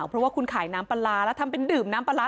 เพราะว่าคุณขายน้ำปลาร้าแล้วทำเป็นดื่มน้ำปลาร้า